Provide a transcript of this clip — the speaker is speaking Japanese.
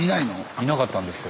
いなかったんですよ。